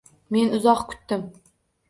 Men uzoq kutdim.